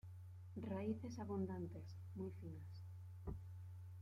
Raíces abundantes, muy finas.